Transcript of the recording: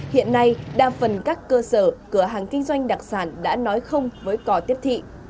hiện nay đa phần các cơ sở cửa hàng kinh doanh đặc sản đã nói không với cò tiếp thị